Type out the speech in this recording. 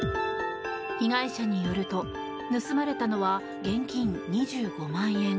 被害者によると盗まれたのは現金２５万円。